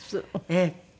ええ。